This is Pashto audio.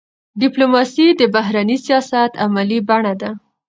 ډيپلوماسي د بهرني سیاست عملي بڼه ده.